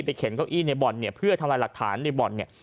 เข็นเก้าอี้ในบ่อนเนี่ยเพื่อทำลายหลักฐานในบ่อนเนี่ย